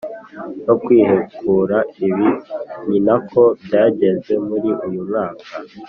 no kwihekura, ibi ni nako byagenze muri uyu mwaka